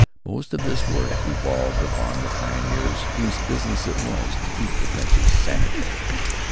Most of this work devolved upon the pioneers whose business it was to keep the trenches sanitary.